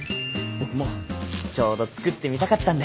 僕もちょうど作ってみたかったんで。